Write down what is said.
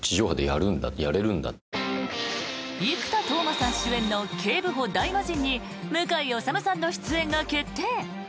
生田斗真さん主演の「警部補ダイマジン」に向井理さんの出演が決定！